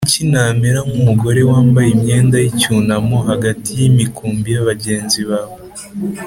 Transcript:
Kuki namera nk umugore wambaye imyenda y icyunamo hagati y imikumbi ya bagenzi bawe